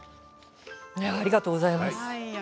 ありがとうございます。